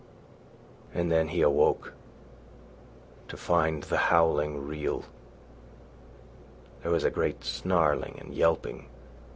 And then he awoke to find the howling real. There was a great snarling and yelping.